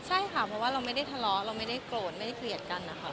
ใช่ค่ะเพราะว่าเราไม่ได้ทะเลาะเราไม่ได้โกรธไม่ได้เกลียดกันนะคะ